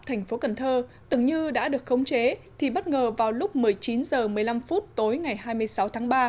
thành phố cần thơ tưởng như đã được khống chế thì bất ngờ vào lúc một mươi chín h một mươi năm tối ngày hai mươi sáu tháng ba